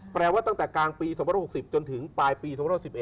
แปลว่าตั้งแต่กลางปี๒๐๖๐จนถึงปลายปี๒๐๑๑